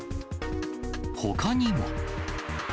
ほかにも。